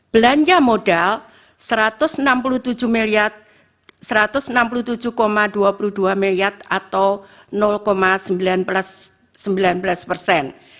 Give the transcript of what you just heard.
belanja modal rp satu ratus enam puluh tujuh dua puluh dua miliar atau sembilan belas persen